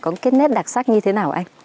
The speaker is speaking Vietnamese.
có cái nét đặc sắc như thế nào anh